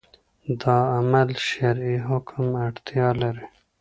دا عمل شرعي حکم اړتیا لري